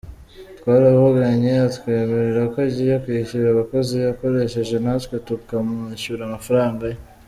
Twaravuganye atwemerera ko agiye kwishyura abakozi yakoresheje natwe tukamwishyura amafaranga ye.